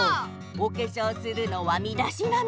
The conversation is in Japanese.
「おけしょうするのはみだしなみ」